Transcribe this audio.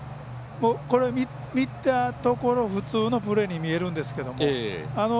見たところ普通のプレーに見えるんですけども。